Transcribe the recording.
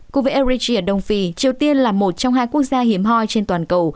cùng với arichi ở đông phi triều tiên là một trong hai quốc gia hiếm hoi trên toàn cầu